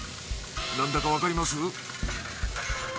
何だかわかります？